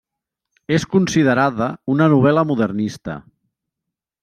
És considerada una novel·la modernista.